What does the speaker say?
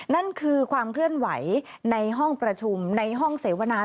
นั่นคือความเคลื่อนไหวในห้องประชุมในห้องเสวนา